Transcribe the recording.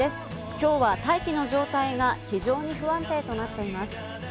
きょうは大気の状態が非常に不安定となっています。